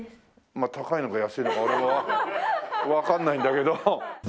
まあ高いのか安いのか俺はわからないんだけど。